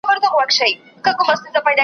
په هغه دم له بازاره وې راغلي .